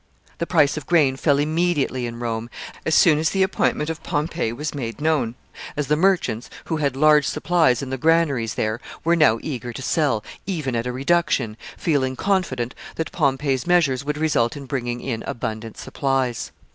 The price of grain fell immediately in Rome, as soon as the appointment of Pompey was made known, as the merchants, who had large supplies in the granaries there, were now eager to sell, even at a reduction, feeling confident that Pompey's measures would result in bringing in abundant supplies.